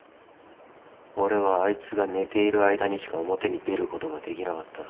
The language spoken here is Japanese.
俺はあいつが寝ている間にしか表に出ることができなかった。